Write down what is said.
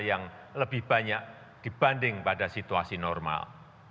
yang lebih banyak dibanding pada situasi normal